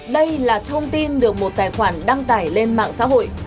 đây là thông tin được một tài khoản đăng tải lên mạng xã hội